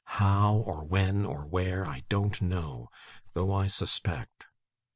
How, or when, or where, I don't know, though I suspect.